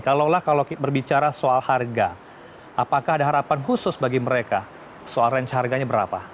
kalau lah kalau berbicara soal harga apakah ada harapan khusus bagi mereka soal range harganya berapa